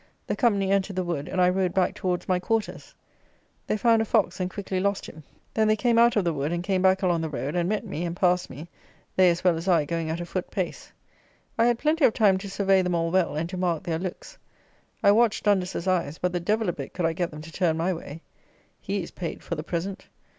The company entered the wood, and I rode back towards my quarters. They found a fox, and quickly lost him. Then they came out of the wood and came back along the road, and met me, and passed me, they as well as I going at a foot pace. I had plenty of time to survey them all well, and to mark their looks. I watched Dundas's eyes, but the devil a bit could I get them to turn my way. He is paid for the present.